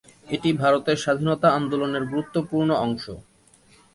এটি ভারতের স্বাধীনতা আন্দোলনের গুরুত্বপূর্ণ অংশ।